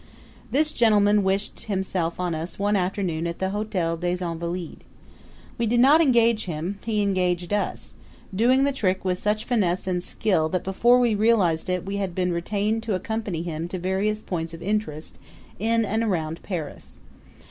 This gentleman wished himself on us one afternoon at the Hotel des Invalides. We did not engage him; he engaged us, doing the trick with such finesse and skill that before we realized it we had been retained to accompany him to various points of interest in and round Paris.